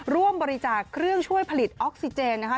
ร่วมบริจาคเครื่องช่วยผลิตออกซิเจนนะคะ